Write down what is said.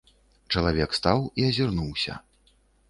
Чалавек стаў і азірнуўся.